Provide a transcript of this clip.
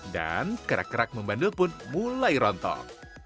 dan kerak kerak membandel pun mulai rontok